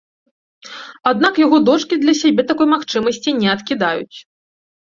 Аднак яго дочкі для сябе такой магчымасці не адкідаюць.